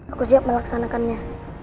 aku siap melaksanakannya